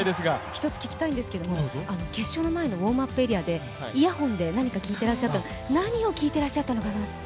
１つ聞きたいんですけど、決勝の前のウォームアップエリアでイヤホンで何か聴いてらっしゃったのが何を聴いていらっしゃったのかなと。